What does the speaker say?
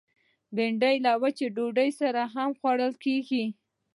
بېنډۍ له وچې ډوډۍ سره هم خوړل کېږي